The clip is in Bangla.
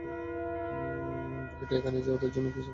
ভয়টা এখানেই যে ওদের জন্য হয়তো আর কিছু করার নেই!